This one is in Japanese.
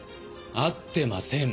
会ってません。